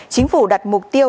chính phủ đặt mục tiêu